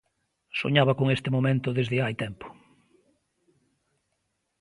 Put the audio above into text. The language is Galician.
Soñaba con este momento desde hai tempo.